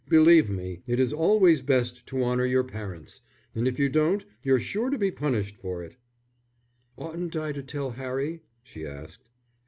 Believe me, it is always best to honour your parents; and if you don't you're sure to be punished for it." "Oughtn't I to tell Harry?" she asked.